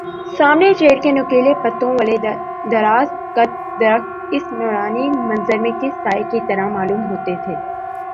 سامنے چیڑ کے نوکیلے پتوں والے دراز قد درخت اس نورانی منظر میں کسی سائے کی طرح معلوم ہوتے تھے